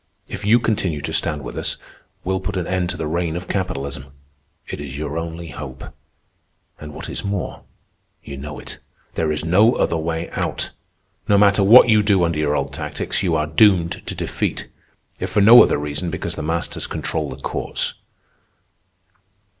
If you continue to stand with us, we'll put an end to the reign of capitalism. It is your only hope. And what is more, you know it. There is no other way out. No matter what you do under your old tactics, you are doomed to defeat, if for no other reason because the masters control the courts."